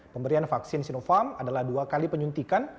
pemberian vaksin sinopharm adalah dua kali penyuntikan